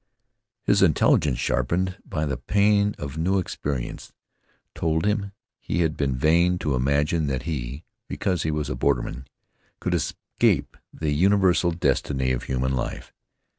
His intelligence, sharpened by the pain of new experience, told him he had been vain to imagine that he, because he was a borderman, could escape the universal destiny of human life.